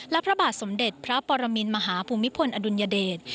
และพระบาทสมเด็จพระปรมินมหาภูมิพลอดุลยเดช